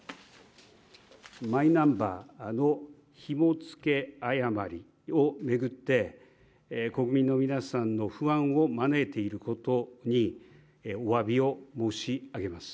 マイナンバーのひも付け誤りを巡って、国民の皆さんの不安を招いていることにおわびを申し上げます。